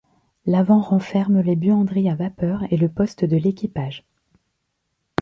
L’avant renferme les buanderies à vapeur et le poste de l’équipage.